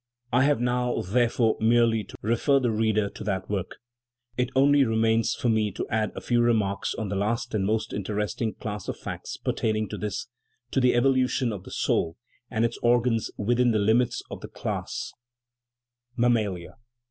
I have now, therefore, merely to refer the reader to that work. It only remains for me to add a few remarks on the last and most interest ing class of facts pertaining to this to the evolution of the soul and its organs within the limits of the class 16,7 THE RIDDLE OF THE UNIVERSE mammalia.